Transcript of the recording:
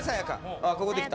ああここできた。